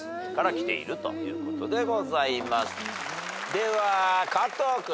では加藤君。